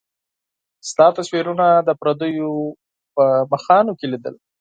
ستا تصويرونه د پرديو په څيرو کي ليدل